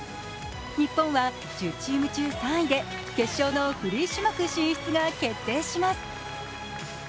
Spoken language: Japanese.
日本は１０チーム中、３位で決勝のフリー種目進出が決定します。